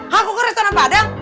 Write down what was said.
hah kok ke restoran padang